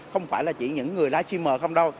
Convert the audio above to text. không phải chỉ những người livestreamer không đâu